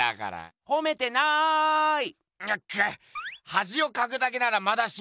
はじをかくだけならまだしも！